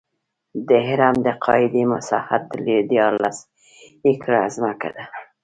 د هرم د قاعدې مساحت دیارلس ایکړه ځمکه ده.